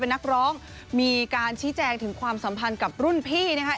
นักร้องมีการชี้แจงถึงความสัมพันธ์กับรุ่นพี่นะคะ